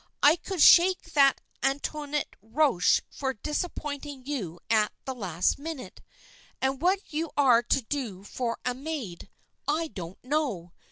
I could shake that Antoinette Roche for disappointing you at the last minute; and what you are to do for a maid, I don't know.